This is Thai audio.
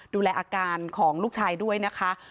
ดูแลอาการของลูกชายด้วยนะคะ